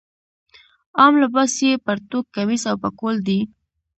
عام لباس یې پرتوګ کمیس او پکول دی.